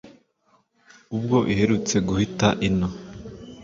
ubwo iherutse guhita ino